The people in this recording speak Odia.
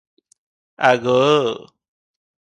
ଆଗୋ!